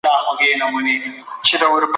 مثبت خلګ پیاوړې ټولني جوړوي.